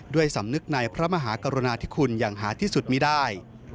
สำนึกในพระมหากรุณาธิคุณอย่างหาที่สุดมีได้